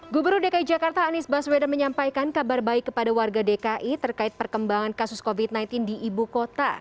gubernur dki jakarta anies baswedan menyampaikan kabar baik kepada warga dki terkait perkembangan kasus covid sembilan belas di ibu kota